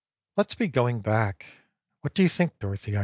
" Let's be going back. What do you think, Dorothy